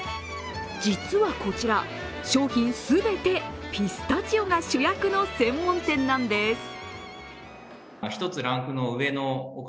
実はこちら、商品全てピスタチオが主役の専門店なんです。